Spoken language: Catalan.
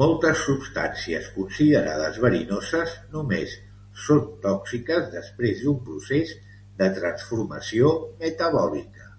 Moltes substàncies considerades verinoses només són tòxiques després d'un procés de transformació metabòlica.